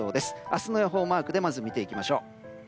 明日の予報マークで見ていきましょう。